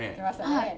はい。